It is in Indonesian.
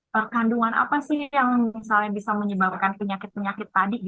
dan kandungan apa sih yang misalnya bisa menyebabkan penyakit penyakit tadi gitu ya